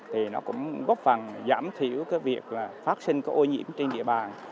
thì nó cũng góp phần giảm thiểu việc phát sinh ô nhiễm trên địa bàn